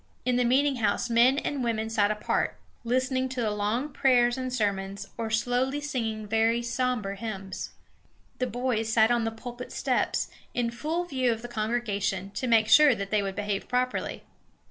In the meetinghouse men and women sat apart, listening to the long prayers and sermons, or slowly singing very sober hymns. The boys sat on the pulpit steps, in full view of the congregation, to make sure they would behave properly.